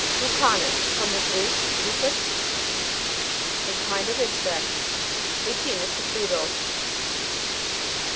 LUCA'NUS. From the Greek, lukos, a kind of insect. A genus of beetles.